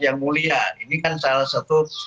yang mulia ini kan salah satu